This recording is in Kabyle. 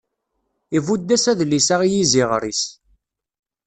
ibudd-as adlis-a i yiziɣer-is.